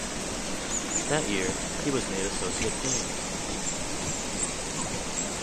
That year he was made Associate Dean.